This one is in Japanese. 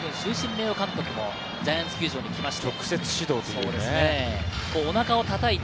名誉監督もジャイアンツ球場に来ました。